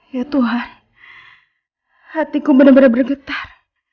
ya tuhan hatiku benar benar bergetar